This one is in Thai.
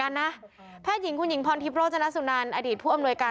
นะแพทย์หญิงคุณหญิงพรทิพย์โรจนสุนันอดีตผู้อำนวยการ